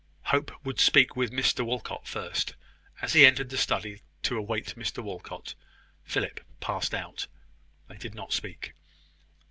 Hope would speak with Mr Walcot first. As he entered the study, to await Mr Walcot, Philip passed out. They did not speak.